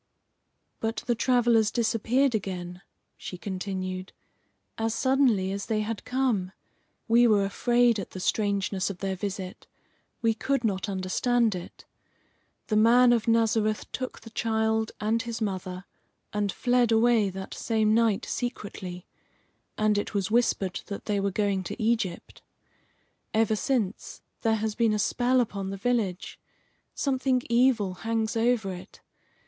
"But the travellers disappeared again," she continued, "as suddenly as they had come. We were afraid at the strangeness of their visit. We could not understand it. The man of Nazareth took the child and his mother, and fled away that same night secretly, and it was whispered that they were going to Egypt. Ever since, there has been a spell upon the village; something evil hangs over it.